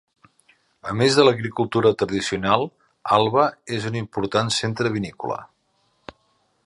A més de l'agricultura tradicional, Alba és un important centre vinícola.